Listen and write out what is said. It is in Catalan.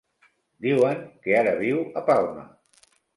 Diuen que ara viu a Palma.